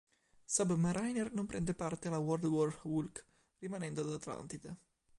Sub Mariner non prende parte alla World War Hulk, rimanendo ad Atlantide.